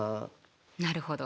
なるほど。